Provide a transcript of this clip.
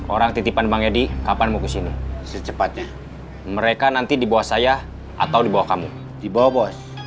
orang titipan bang edi kapan mau kesini secepatnya mereka nanti dibawa saya atau dibawa kamu dibawa